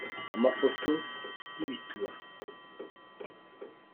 amafoto y'ibituba